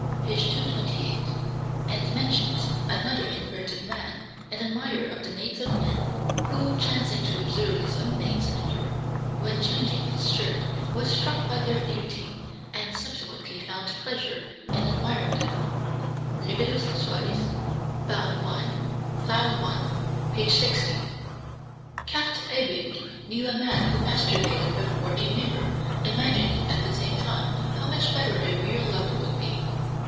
p. 228), and mentions another inverted man, an admirer of the nates of men, who, chancing to observe his own nates in a mirror, when changing his shirt, was struck by their beauty, and subsequently found pleasure in admiring them (Libido Sexualis, Bd. I, Theil I, p. 60). Krafft Ebing knew a man who masturbated before a mirror, imagining, at the same time, how much better a real lover would be.